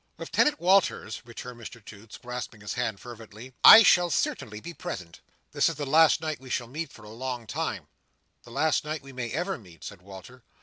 "Lieutenant Walters," returned Mr Toots, grasping his hand fervently, "I shall certainly be present." "This is the last night we shall meet for a long time—the last night we may ever meet," said Walter.